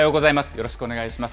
よろしくお願いします。